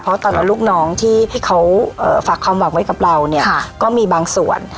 เพราะตอนนั้นลูกน้องที่เขาฝากความหวังไว้กับเราเนี่ยก็มีบางส่วน